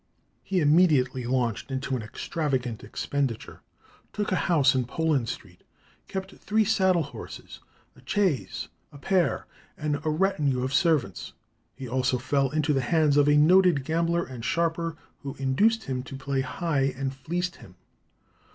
He immediately launched out into extravagant expenditure, took a house in Poland Street, kept three saddle horses, a chaise and pair, and a retinue of servants. He also fell into the hands of a noted gambler and sharper, who induced him to play high, and fleeced him.